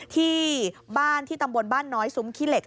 ที่บ้านที่ตำบลบ้านน้อยซุ้มขี้เหล็ก